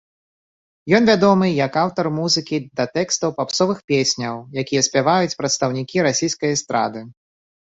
Ён вядомы як аўтар музыкі да тэкстаў папсовых песняў, якія спяваюць прадстаўнікі расійскай эстрады.